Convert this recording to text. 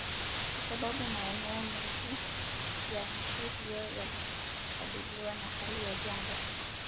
Kwa sababu maeneo mengi ya nchi hizo yanakabiliwa na hali ya jangwa